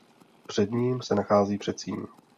Před ním se nachází předsíň.